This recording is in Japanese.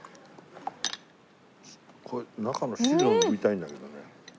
これ中の汁を飲みたいんだけどね。